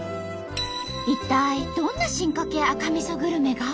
一体どんな進化系赤みそグルメが？